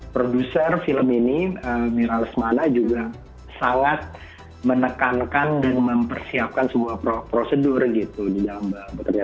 produser film ini mira lesmana juga sangat menekankan dan mempersiapkan sebuah prosedur gitu di dalam bekerja